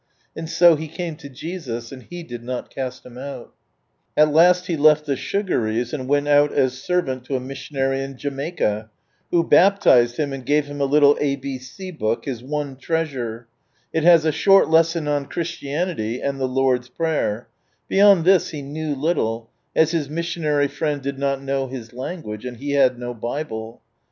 And so he came to Jesus, and He did not cast him out At last he left the Sugaries, and went out as servant to a missionary in Jamaica, who baptized him, and gave him a little ABC book, his one treasure ; it has a short lesson on Christianity, and the Lord's Prayer ; beyond this he knew little, as his missionary friend did not know his language, and he had no Bible.